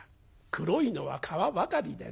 黒いのは皮ばかりでな」。